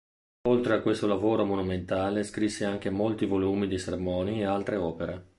Oltre a questo lavoro monumentale scrisse anche molti volumi di sermoni ed altre opere.